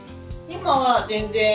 今は全然。